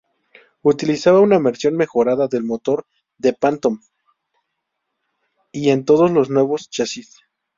Utilizaba una versión mejorada del motor del Phantom I en todos los nuevos chasis.